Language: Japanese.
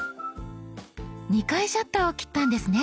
２回シャッターを切ったんですね。